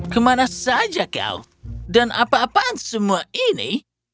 kemana saja kau dan apa apaan semua ini